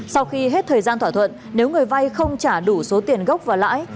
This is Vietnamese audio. sau khi hết thời gian thỏa thuận nếu người vay không trả đủ số tiền gốc và lãi